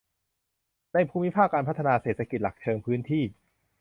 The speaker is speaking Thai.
ในภูมิภาคการพัฒนาเศรษฐกิจหลักเชิงพื้นที่